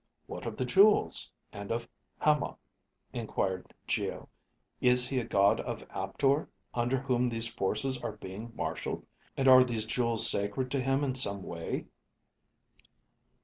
"What of the jewels, and of Hama?" inquired Geo. "Is he a god of Aptor under whom these forces are being marshaled? And are these jewels sacred to him in some way?"